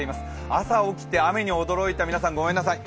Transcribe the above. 朝起きて、雨に驚いた皆さんごめんなさい。